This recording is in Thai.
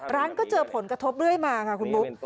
ร้านก็เจอผลกระทบเรื่อยมาค่ะคุณบุ๊ค